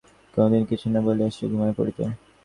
কোনোদিন কিছু না বলিয়াই সে ঘুমাইয়া পড়িত।